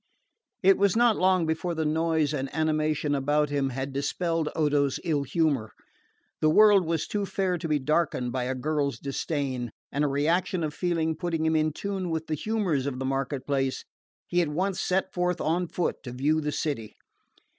It was not long before the noise and animation about him had dispelled Odo's ill humour. The world was too fair to be darkened by a girl's disdain, and a reaction of feeling putting him in tune with the humours of the market place, he at once set forth on foot to view the city.